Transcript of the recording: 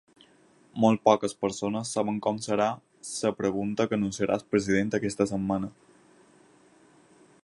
Molt poques persones saben com serà la pregunta que anunciarà el president aquesta setmana.